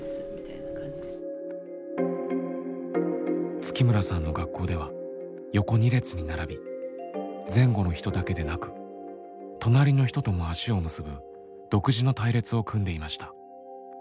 月村さんの学校では横２列に並び前後の人だけでなく隣の人とも足を結ぶ独自の隊列を組んでいました。